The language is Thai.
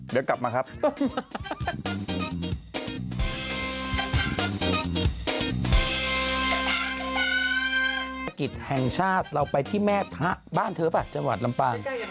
บางเวลาบังคุณกริจแห่งชาติเราไปที่เมฆท่ะบ้านเธอป่ะจังหวัดลำเปิง